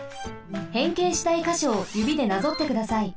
へんけいしたいかしょをゆびでなぞってください。